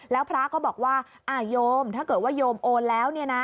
แล้วพระก็บอกว่าโยมถ้าเกิดว่าโยมโอนแล้ว